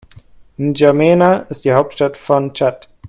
N’Djamena ist die Hauptstadt von Tschad.